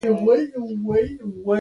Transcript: باز د ځواک ښکارندویي کوي